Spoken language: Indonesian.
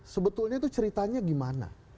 sebetulnya tuh ceritanya gimana